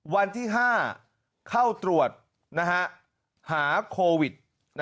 วันที่๕เข้าตรวจนะฮะหาโควิด๑๙